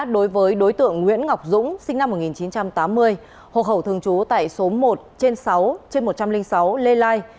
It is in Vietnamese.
đối với đối tượng nguyễn ngọc dũng sinh năm một nghìn chín trăm tám mươi hộ khẩu thường trú tại số một trên sáu trên một trăm linh sáu lê lai